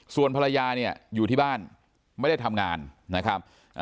ส่วนภรรยาเนี่ยอยู่ที่บ้านไม่ได้ทำงานนะครับ